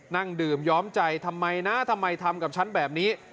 นั่งดื่มย้อมใจทำไมนะทำไมทำกับฉันแบบนี้